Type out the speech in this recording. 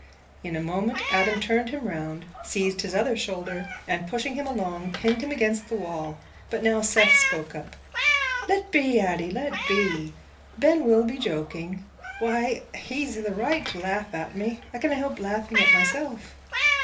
In a moment Adam turned him round, seized his other shoulder, and, pushing him along, pinned him against the wall. But now Seth spoke. "Let be, Addy, let be. Ben will be joking. Why, he's i' the right to laugh at me—I canna help laughing at myself."